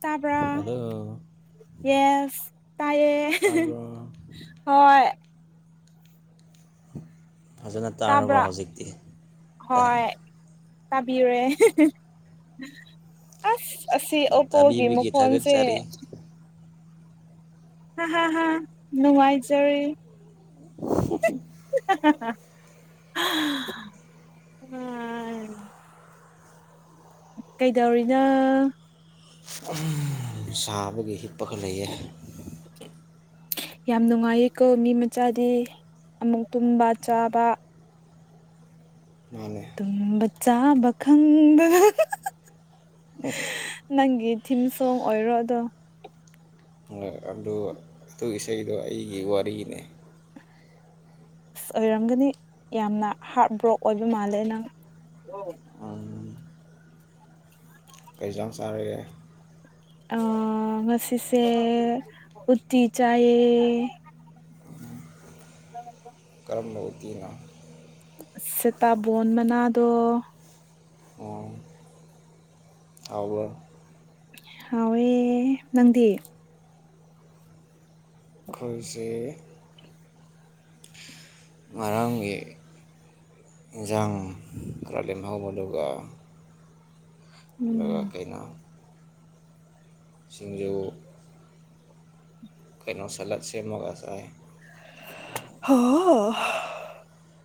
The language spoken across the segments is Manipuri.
ꯎꯝ ꯑꯂꯣ ꯌꯦꯁ ꯇꯥꯏꯌꯦ ꯇꯥꯕ꯭ꯔꯣ ꯍꯣꯏ ꯐꯖꯅ ꯇꯥꯔꯕ ꯇꯥꯕ꯭ꯔꯥ ꯍꯧꯖꯤꯛꯇꯤ ꯇꯥꯏ ꯇꯕꯤꯔꯨꯔꯦ ꯑꯁ ꯑꯁꯤ ꯑꯣꯞꯄꯣꯒꯤ ꯇꯥꯕꯤꯕꯒꯤ ꯃꯈꯣꯟꯁꯦ ꯊꯥꯒꯠꯆꯔꯤ ꯍꯥ ꯍꯥ ꯍꯥ ꯅꯨꯡꯉꯥꯏꯖꯔꯦ ꯎꯝ ꯀꯩꯗꯧꯔꯤꯅꯣ ꯁꯥꯕꯒꯤ ꯍꯤꯞꯄꯈ ꯂꯩꯌꯦ ꯌꯥꯝ ꯅꯨꯡꯉꯥꯏꯌꯦ ꯀꯧ ꯃꯤ ꯃꯆꯥꯗꯤ ꯑꯃꯨꯛ ꯇꯨꯝꯕ ꯆꯥꯕ ꯃꯥꯅꯦ ꯆꯥꯕꯈꯪꯗ ꯅꯪꯒꯤ ꯊꯤꯝ ꯁꯣꯡ ꯑꯣꯏꯔꯣ ꯑꯗꯣ ꯑꯗꯨꯒꯤ ꯏꯁꯩꯗꯣ ꯑꯩꯒꯤ ꯋꯥꯔꯤꯅꯤ ꯑꯁ ꯑꯣꯏꯔꯝꯒꯅꯤ ꯌꯥꯝꯅ ꯍꯥꯔꯠ ꯕ꯭ꯔꯣꯛ ꯑꯣꯏꯕ ꯃꯥꯜꯂꯦ ꯅꯪ ꯀꯩꯖꯣꯡ ꯆꯥꯔꯒꯦ ꯑ ꯉꯁꯤꯁꯦ ꯎꯠꯇꯤ ꯆꯌꯦ ꯍ ꯀꯝꯃꯇꯅ ꯁꯤꯇꯥꯕꯣꯟ ꯃꯅꯥꯗ ꯑꯕꯨ ꯍꯥꯎꯋꯦ ꯅꯪꯗꯤ ꯈꯣꯏꯁ ꯃꯥꯡꯒꯤ ꯥꯡ ꯐꯔꯥꯂꯤꯦꯝꯍꯥꯎ ꯎꯗ ꯂ ꯎꯝ ꯀꯩꯅ ꯁꯤꯡꯖꯣꯏ ꯀꯩꯅꯣ ꯁꯥꯂꯗ ꯁ ꯃꯒꯥꯁꯥꯏ ꯍ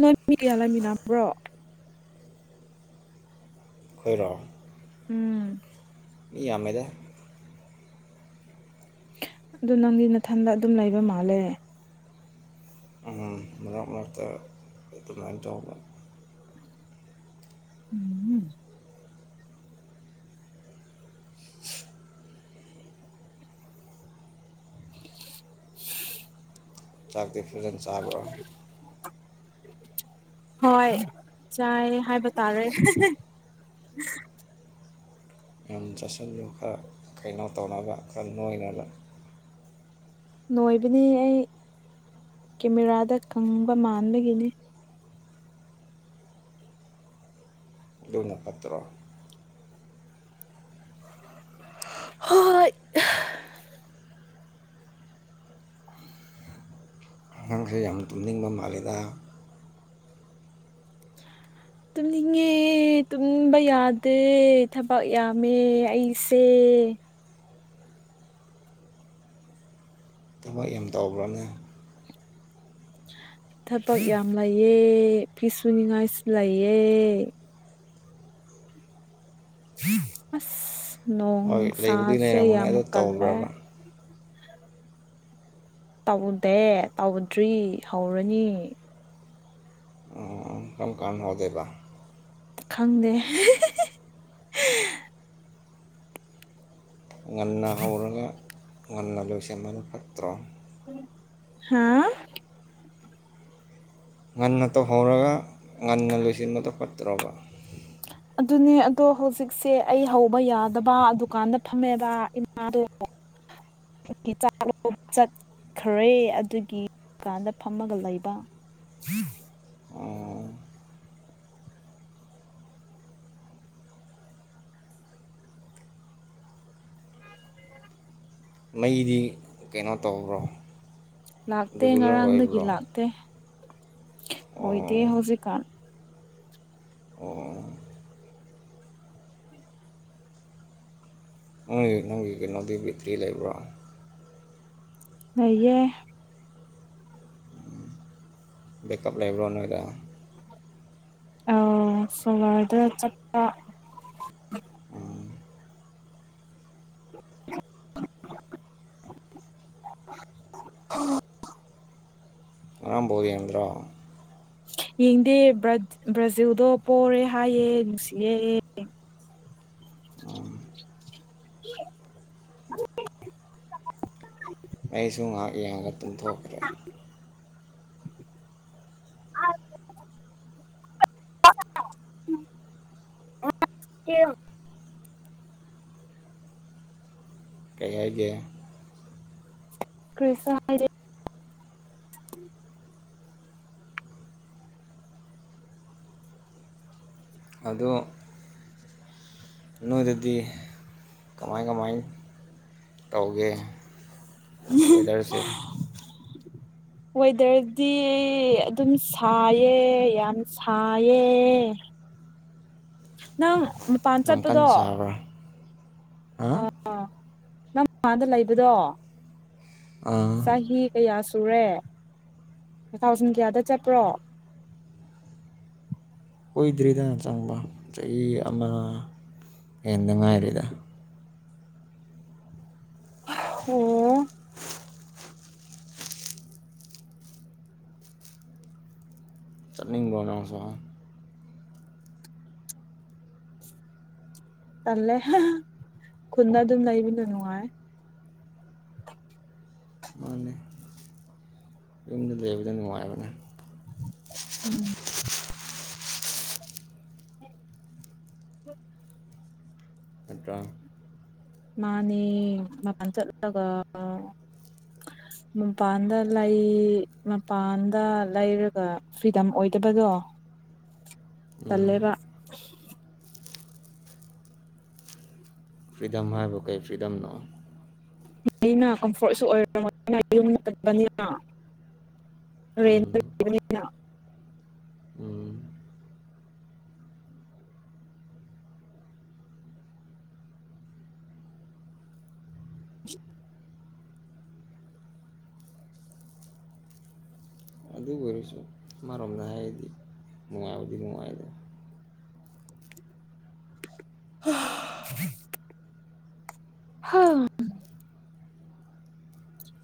ꯅꯣꯏ ꯃꯤ ꯀꯌꯥ ꯂꯩꯃꯤꯟꯅꯕ꯭ꯔꯣ ꯈꯣꯏꯔꯣ ꯎꯝ ꯃꯤ ꯌꯥꯝꯃꯦꯗ ꯑꯗꯨ ꯅꯪꯗꯤ ꯅꯊꯟꯗ ꯑꯗꯨꯝ ꯂꯩꯕ ꯃꯥꯜꯂꯦ [unintelligible] [unintelligible] ꯆꯥꯛꯇꯤ ꯐꯖꯅ ꯆꯥꯕꯔ [inaudible] ꯍꯣꯏ ꯆꯥꯏ ꯍꯥꯏꯕ ꯇꯥꯔꯦ ꯌꯥꯝ ꯆꯥꯁꯤꯜꯂꯨ ꯈꯔ ꯀꯩꯅꯣ ꯇꯧꯅꯕ ꯈꯔ ꯅꯣꯏꯅꯕ ꯅꯣꯏꯕꯅꯤ ꯑꯩ ꯀꯦꯃꯦꯔꯥꯗ ꯀꯪꯕ ꯃꯥꯟꯕꯒꯤꯅꯤ ꯗꯨꯅ ꯐꯠꯇꯔꯣ ꯍꯣꯏ ꯅꯪꯁꯦ ꯌꯥꯝ ꯇꯨꯝꯅꯤꯡꯕ ꯃꯥꯜꯂꯤꯗ [inaudible] ꯇꯨꯝꯅꯤꯡꯉꯦ ꯇꯨꯝꯅꯤꯡꯕ ꯌꯥꯗꯦ ꯊꯕꯛ ꯌꯥꯝꯃꯦ ꯑꯩꯁꯦ [unintelligible] ꯊꯕꯛ ꯌꯥꯝ ꯇꯧꯕ꯭ꯔꯅꯦ ꯊꯕꯛ ꯌꯥꯝ ꯂꯩꯌꯦ ꯐꯤꯁꯨꯨꯅꯤꯡꯉꯥꯏꯁꯨ ꯂꯩꯌꯦ ꯑꯁ ꯅꯣꯡ ꯍꯣꯏ ꯂꯩꯕꯨꯗꯤ ꯁꯥꯥꯁꯦ ꯂꯩꯔꯝꯒꯅꯤ ꯌꯥꯝ ꯑꯗꯨ ꯀꯜꯂꯦ ꯇꯧꯕ꯭ꯔꯕ ꯇꯧꯗꯦ ꯇꯧꯗ꯭ꯔꯤ ꯍꯧꯔꯅꯤ ꯑꯝ ꯀꯝꯀꯥꯟ ꯍꯧꯗꯣꯏꯕ ꯈꯪꯗꯦ ꯉꯟꯅ ꯍꯧꯔꯒ ꯉꯟꯅ ꯂꯣꯏꯁꯤꯟꯕꯅ ꯐꯠꯇ꯭ꯔꯣ ꯍꯥ ꯉꯟꯅ ꯇꯧꯍꯧꯔꯒ ꯉꯟꯅ ꯂꯣꯏꯁꯤꯟꯕꯗꯣ ꯐꯠꯇ꯭ꯔꯣꯕ ꯑꯗꯨꯅꯦ ꯑꯗꯣ ꯍꯧꯖꯤꯛꯁꯦ ꯑꯩ ꯍꯧꯕ ꯌꯥꯗꯕ ꯗꯨꯀꯥꯟꯗ ꯐꯝꯃꯦꯕ ꯏꯃꯥꯗꯣ [unintelligible] ꯀꯥꯟꯗ ꯐꯝꯃꯒ ꯂꯩꯕ [unintelligible] ꯃꯩꯗꯤ ꯀꯩꯅꯣ ꯇꯧꯕ꯭ꯔꯣ ꯂꯥꯛꯇꯦ ꯔꯤꯒꯨꯂꯔ ꯉꯔꯥꯡꯗꯒꯤ ꯑꯣꯏꯕ꯭ꯔꯣ ꯂꯥꯛꯇꯦ ꯑꯣꯏꯗꯦ ꯍꯧꯖꯤꯛꯀꯥꯟ ꯑꯣ ꯑꯣꯏ ꯅꯪꯒꯤ ꯀꯩꯅꯣꯗꯤ ꯕꯦꯇꯔꯤ ꯂꯩꯕ꯭ꯔꯣ ꯂꯩꯌꯦ ꯕꯦꯛꯑꯞ ꯂꯩꯕ꯭ꯔꯣ ꯅꯣꯏꯗ ꯑꯧ ꯁꯣꯂꯔꯗ ꯆꯞꯄ [unintelligible] ꯉꯔꯥꯡꯕ ꯕꯣꯜ ꯌꯦꯡꯗꯔꯣ ꯌꯦꯡꯗꯦ ꯕꯔꯥ ꯕ꯭ꯔꯥꯖꯤꯜꯗꯣ ꯄꯣꯔꯦ ꯍꯥꯏꯌꯦ ꯅꯨꯡꯁꯤꯌꯦ [unintelligible] [inaudible] ꯑꯩꯁꯨꯨ ꯉꯥꯛ ꯌꯦꯡꯉꯥꯒ ꯇꯨꯝꯊꯣꯛꯈ꯭ꯔꯦ [unintelligible] [inaudible] ꯀꯩ ꯍꯥꯏꯒꯦ ꯀ꯭ꯔꯤꯁꯨ ꯍꯥꯏꯗꯦ ꯑꯗꯣ ꯅꯣꯏꯗꯗꯤ ꯀꯃꯥꯏ ꯀꯃꯥꯏ ꯇꯧꯒꯦ ꯋꯦꯗꯔꯁꯦ [inaudible] ꯋꯦꯗꯔꯗꯤ ꯑꯗꯨꯝ ꯁꯥꯏꯌꯦ ꯌꯥꯝ ꯁꯥꯏꯌꯦ ꯅꯪ ꯃꯄꯥꯟ ꯌꯥꯝ ꯀꯟ ꯆꯠꯄꯗꯣ ꯁꯥꯕ꯭ꯔꯥ ꯍꯥ ꯑ ꯅꯪ ꯃꯃꯥꯟꯗ ꯂꯩꯕꯗꯣ ꯑꯥ ꯆꯍꯤ ꯀꯌꯥ ꯁꯨꯔꯦ ꯊꯥꯎꯖꯟ ꯀꯌꯥꯗ ꯆꯠꯄ꯭ꯔꯣ [unintelligible] ꯀꯨꯏꯗ꯭ꯔꯤꯗ ꯆꯪꯕ ꯆꯍꯤ ꯑꯃ ꯍꯦꯟꯅ ꯉꯥꯏꯔꯤꯗ ꯑꯣꯝ ꯑꯅꯥꯡ ꯁ ꯇꯜꯂꯦ ꯈꯨꯜꯗ ꯑꯗꯨꯝ ꯂꯩꯕꯅ ꯅꯨꯡꯉꯥꯏ ꯃꯥꯅꯦ ꯌꯨꯝꯗ ꯂꯩꯕꯗ ꯅꯨꯡꯉꯥꯏꯕꯅꯦ ꯎꯝ [unintelligible] ꯅꯠꯇ꯭ꯔꯥ ꯃꯥꯅꯦ ꯃꯥꯄꯜ ꯆꯠꯂꯒ ꯃꯄꯥꯟꯗ ꯂꯩ ꯃꯄꯥꯟꯗ ꯂꯩꯔꯒ ꯐ꯭ꯔꯤꯗꯝ ꯑꯣꯏꯗꯕꯗꯣ ꯎꯝ ꯇꯂꯦꯕ ꯐ꯭ꯔꯤꯗꯝ ꯍꯥꯢꯕꯨ ꯀꯥꯔꯤ ꯐ꯭ꯔꯤꯗꯝꯅꯣ ꯂꯩ [inaudible] ꯅ ꯀꯝꯐꯣꯔꯠꯁꯨ ꯑꯣꯏꯝꯔꯕꯅꯤꯅ ꯌꯨꯝꯟꯕꯅꯤꯅ ꯔꯦꯟ ꯎꯝ ꯎꯝ [unintelligible] ꯑꯗꯨꯕꯨ ꯑꯣꯏꯔꯁꯨ ꯑꯃꯔꯣꯝꯗ ꯍꯥꯏꯔꯗꯤ ꯅꯨꯡꯉꯥꯏꯕꯗꯤ ꯅꯨꯡꯉꯥꯏꯗ [unintelligible] ꯍꯥ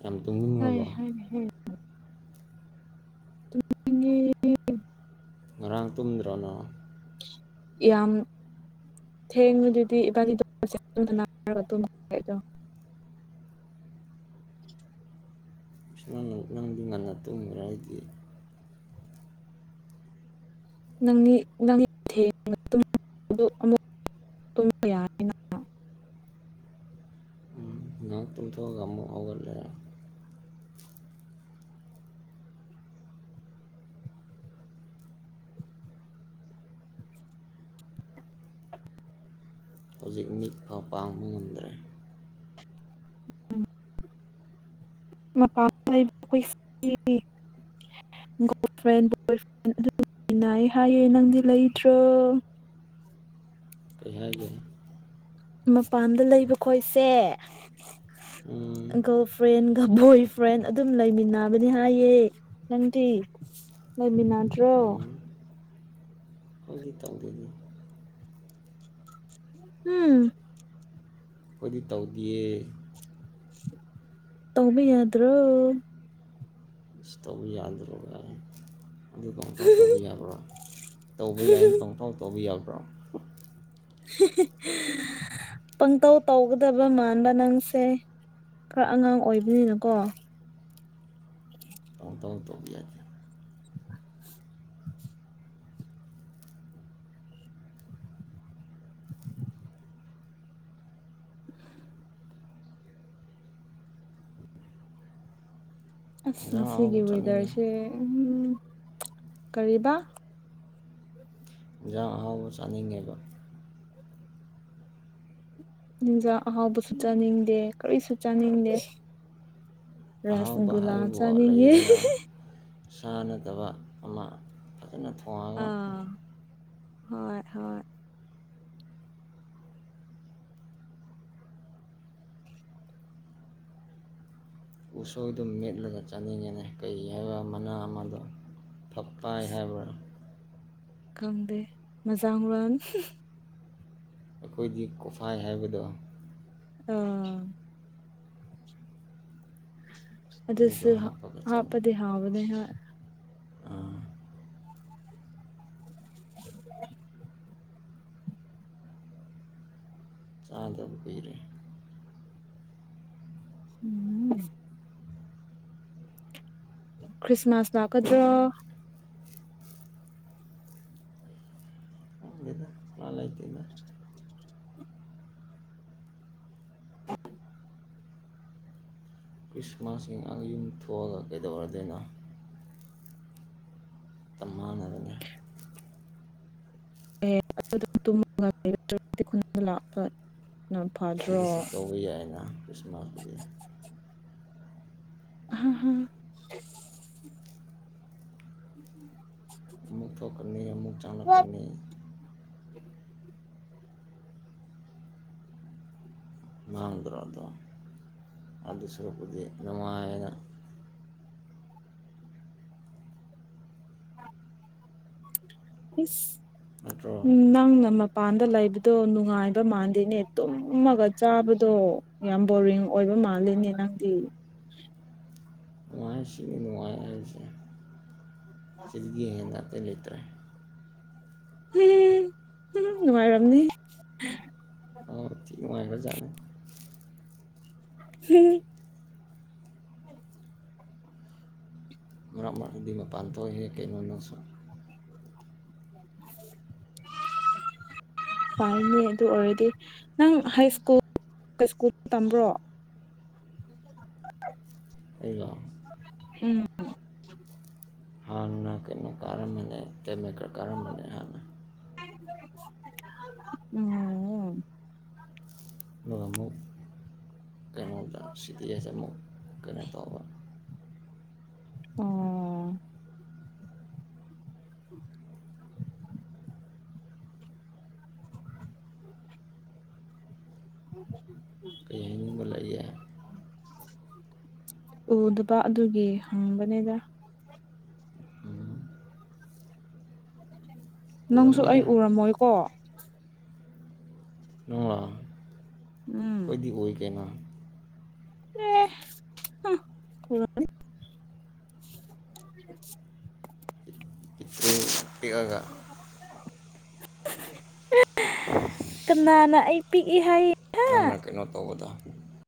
ꯌꯥꯝ ꯍꯣꯏ ꯇꯨꯝꯅꯤꯡꯉꯕꯣ ꯍ [inaudible] ꯇ [inaudible] ꯉꯔꯥꯡ ꯇꯨꯝꯗ꯭ꯔꯅꯣ ꯅꯪ ꯌꯥꯝ ꯊꯦꯡꯅ ꯑꯗꯨꯗꯤ ꯏꯕꯥꯗ ꯑꯗꯨ [inaudible] [unintelligible] ꯑꯁ ꯅꯪ ꯅꯪꯗꯤ ꯉꯟꯅ ꯇꯨꯝꯒ꯭ꯔꯦ ꯑꯩꯗꯤ ꯅꯪ ꯗꯤ ꯊꯦꯪꯅꯥ ꯇꯨꯝꯕꯗꯣ [inaudible] [unintelligible] ꯇꯨꯝꯊꯣꯛꯑꯒꯥ ꯑꯃꯨꯛ ꯍꯧꯒꯠꯂꯤ ꯍꯧꯖꯤꯛ ꯃꯤꯠ ꯐꯥꯎ ꯄꯥꯡꯕ ꯉꯝꯗ꯭ꯔꯦ ꯃꯄꯥꯥ [inaudible] ꯒꯥꯔꯜ ꯐ꯭ꯔꯦꯟ ꯕꯣꯏ ꯐ꯭ꯔꯦꯟ ꯑꯗꯨꯟꯅ ꯑꯩ ꯍꯥꯏꯌꯦ ꯅꯪꯗꯤ ꯂꯩꯇ꯭ꯔꯣ [inaudible] [unintelligible] ꯀꯩ ꯍꯥꯢꯀꯦ ꯃꯄꯥꯟꯗ ꯂꯩꯕ ꯈꯣꯏꯁꯦ ꯎꯝ ꯒꯔꯜ ꯐ꯭ꯔꯦꯟꯒ ꯕꯣꯏ ꯐ꯭ꯔꯦꯟ ꯑꯗꯨꯝ ꯂꯩꯃꯤꯟꯅꯕꯅꯤ ꯍꯥꯏꯌꯦ ꯅꯪꯗꯤ ꯂꯩꯃꯤꯟꯅꯗ꯭ꯔꯣ ꯎꯝ ꯑꯩꯈꯣꯏꯗꯤ ꯇꯧꯗꯦꯗ ꯎꯝ ꯑꯩꯈꯣꯏꯗꯤ ꯇꯧꯗꯦꯌꯦ ꯇꯥꯎꯕ ꯌꯥꯗ꯭ꯔꯣ ꯇꯧ ꯌꯥꯗꯔꯦꯗ ꯄꯥꯪꯇꯧ ꯇꯧꯕꯥ ꯌꯥꯕꯔꯣ ꯇꯧꯕꯥ ꯌꯥꯏꯅꯥ ꯄꯪꯇꯧ ꯇꯧꯕꯥ ꯌꯥ ꯄꯪꯇꯧ ꯇꯧꯒꯗꯕ ꯃꯥꯟꯕ ꯅꯪꯁꯦ ꯈꯔ ꯑꯉꯥꯡ ꯑꯣꯏꯕꯅꯤꯅꯀꯣ ꯎꯝ [inaudible] ꯄꯪꯇꯧ ꯇꯧꯕꯥ ꯌꯥꯗꯦ [unintelligible] [unintelligible] ꯑꯁ ꯏꯟꯖꯥꯡ ꯑꯍꯥꯎꯕ ꯉꯁꯤꯒꯤ ꯆꯥꯅꯤꯡꯉꯦ ꯋꯦꯗꯔꯁꯦ ꯎ ꯀꯔꯤꯕ ꯑꯥꯍꯥꯎꯕ ꯆꯥꯅꯤꯡꯉꯦꯕꯣ ꯍꯤꯟꯖꯥꯛ ꯑꯍꯥꯎꯕꯁꯨ ꯆꯥꯅꯤꯡꯗꯦ ꯀꯔꯤꯁꯨ ꯆꯥꯅꯤꯡꯗꯦ ꯑꯍꯥꯎꯕ ꯔꯁꯒꯨꯂꯥ ꯍꯥꯏꯕꯕꯨ ꯆꯅꯤꯉꯦ ꯂꯩꯗꯅ ꯁꯥ ꯅꯥꯇꯕ ꯑꯃꯥ ꯐꯖꯅꯥ ꯊꯣꯡꯉꯒꯥ ꯑꯥ ꯍꯣꯏ ꯍꯣꯏ ꯎꯁꯣꯏꯗꯨꯝ ꯃꯦꯠꯂꯒ ꯆꯥꯅꯤꯡꯉꯦꯅꯤ ꯀꯩ ꯍꯥꯏꯕ ꯃꯅꯥ ꯑꯃꯗꯣ ꯐꯛꯐꯥꯏ ꯍꯥꯏꯕꯔꯥ ꯈꯪꯗꯦ ꯃꯖꯥꯡ ꯋꯥꯣꯟ [inaudible] ꯑꯩꯈꯣꯏꯒꯤ ꯀꯣꯐꯥꯏ ꯍꯥꯏꯕꯗꯣ ꯑꯥ ꯑꯗꯨꯗꯣ ꯑꯗꯨꯗꯁꯨ ꯍꯥꯞꯄꯒ ꯆꯥꯅꯤ. ꯍꯥꯞꯄꯗꯤ ꯍꯥꯥꯎꯕꯅꯦ ꯍꯥ [inaudible] ꯆꯥꯗ ꯄꯤꯔ ꯎꯝ ꯈ꯭ꯔꯤꯁꯃꯥꯁ ꯂꯥꯛꯀꯗ꯭ꯔꯣ ꯈꯪꯗꯦꯗ ꯄ꯭ꯂꯥꯟ ꯂꯩꯇꯦꯗ ꯈ꯭ꯔꯤꯁꯃꯥꯁꯁꯤꯡ ꯌꯨꯝ ꯊꯣꯛꯑꯒ ꯀꯩꯗꯧꯔꯗꯣꯏꯅꯣ ꯇꯃꯅꯗꯅꯦ [unintelligible] ꯁꯤꯒꯤꯁꯤ ꯇꯧꯕ ꯌꯥꯏꯅ ꯈ꯭ꯔꯤꯁꯃꯥꯁꯇꯗꯤ ꯑꯝ ꯍꯝ ꯃꯨ ꯊꯣꯛꯅꯤ ꯃꯨ ꯍꯥ ꯆꯥꯥꯟꯅꯤ ꯃꯥꯡꯗ꯭ꯔꯗꯄꯥꯏ ꯅꯠꯇ꯭ꯔꯣ ꯎꯝ ꯅꯪ ꯅ ꯃꯄꯥꯟꯗ ꯂꯩꯕꯗꯣ ꯅꯨꯡꯉꯥꯏꯕ ꯃꯥꯟꯗꯦꯅꯦ ꯇꯨꯝꯃꯒ ꯆꯥꯕꯗꯣ ꯌꯥꯝ ꯕꯣꯔꯤꯡ ꯑꯣꯏꯕ ꯃꯥꯂꯦꯅꯤꯅꯥꯗꯤ ꯅꯨꯡꯉꯥꯏ ꯁꯤ ꯅꯨꯡꯉꯥꯏ ꯍꯥꯏꯁꯦ ꯆꯠꯒꯤ ꯍꯦꯟꯅ ꯆ ꯂꯩꯇ꯭ꯔꯦ ꯎꯝ ꯎꯝ ꯅꯨꯡꯉꯥꯏꯔꯝꯅꯤ ꯅꯨꯡꯉꯥꯏꯕꯖꯅ ꯍꯤ ꯃꯔꯥꯡ ꯃꯔꯗꯤ ꯃꯄꯥꯟ ꯊꯣꯛꯏꯦꯛ ꯀꯩꯅꯣ ꯅꯁꯨ [inaudible] ꯐꯅꯤ ꯑꯗꯨ ꯑꯣꯏꯔꯗꯤ ꯅꯪ ꯍꯥꯏ ꯁ꯭ꯀꯨꯜ ꯁ꯭ꯀꯨꯜ ꯇꯝꯕ꯭ꯔꯣ ꯑꯩꯒꯣ ꯎꯝ ꯀꯔ ꯀꯝ ꯃꯅꯦ ꯍꯥꯏꯅ ꯎꯝ ꯑꯗꯨꯒ ꯑꯃꯨꯛ ꯀꯩꯅꯣꯗ ꯁꯤ ꯗꯤ ꯑꯦꯁ ꯑꯃꯨꯛ ꯀꯩꯅꯣ ꯇꯧꯕ ꯑꯣ ꯀ ꯃꯂꯦ ꯎꯗꯕ ꯑꯗꯨꯒꯤ ꯍꯪꯕꯅꯦꯗ ꯅꯪꯁꯨ ꯑꯩ ꯎꯔꯝꯃꯣꯏꯗ ꯎꯔꯝꯃꯣꯏꯀꯣ ꯅꯪꯂꯣ ꯎꯝ ꯑꯩꯈꯣꯏꯗꯤ ꯑꯣꯏꯒꯦꯅ ꯑꯦ ꯑ ꯀ [inaudible] ꯑꯉ ꯀꯅꯥꯅ ꯑꯩ ꯄꯤꯛꯏ ꯍꯥꯏꯌꯦ ꯅꯪꯅ ꯀꯩꯅꯣ ꯇꯧꯕꯗ